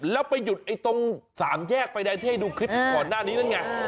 แล้วไปหยุดไอ้ตรงสามแยกไฟแดงที่ให้ดูคลิปก่อนหน้านี้นั่นไง